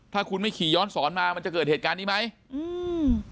ถ้าคุณไม่ขี่ย้อนสอนมามันจะเกิดเหตุการณ์นี้ไหมอืม